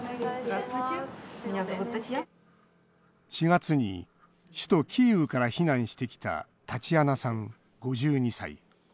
４月に首都キーウから避難してきた、タチアナさん５２歳。